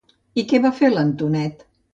I què va fer l'Antonet?